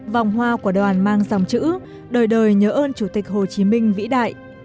vòng hoa của đoàn mang dòng chữ đời đời nhớ ơn chủ tịch hồ chí minh vĩ đại